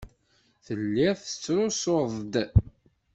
Telliḍ tettrusuḍ-d.